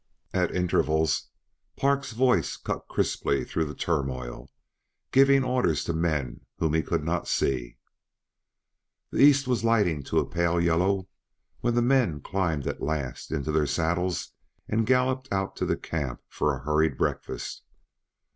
At intervals Park's voice cut crisply through the turmoil, giving orders to men whom he could not see. The east was lightening to a pale yellow when the men climbed at last into their saddles and galloped out to camp for a hurried breakfast.